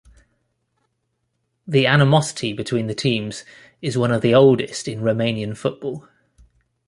The animosity between the teams is one of the oldest in Romanian football.